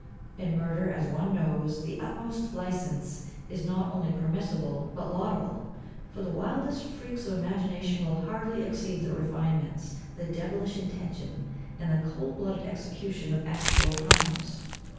In murder, as one knows, the utmost licence is not only permissible but laudable, for the wildest freaks of imagination will hardly exceed the refinements, the devilish invention, and the cold blooded execution of actual crimes.